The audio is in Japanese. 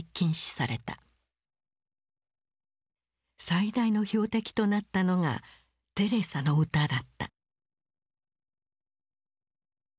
最大の標的となったのがテレサの歌だった。